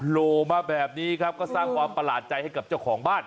โหลมาแบบนี้ครับก็สร้างความประหลาดใจให้กับเจ้าของบ้าน